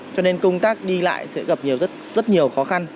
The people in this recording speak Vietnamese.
cho nên công tác đi lại sẽ gặp nhiều rất nhiều khó khăn